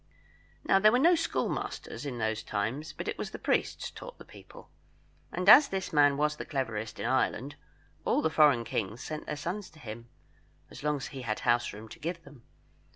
Now, there were no schoolmasters in those times, but it was the priests taught the people; and as this man was the cleverest in Ireland, all the foreign kings sent their sons to him, as long as he had house room to give them.